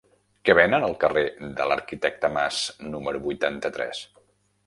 Què venen al carrer de l'Arquitecte Mas número vuitanta-tres?